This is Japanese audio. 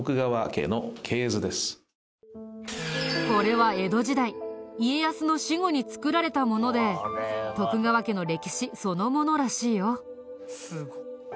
これは江戸時代家康の死後に作られたもので徳川家の歴史そのものらしいよ。